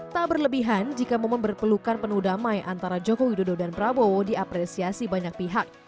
tak berlebihan jika momen berpelukan penuh damai antara jokowi dodo dan prabowo diapresiasi banyak pihak